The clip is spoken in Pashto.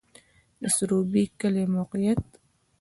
د سروبی کلی موقعیت